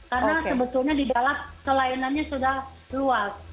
karena sebetulnya di dalam kelainannya sudah luas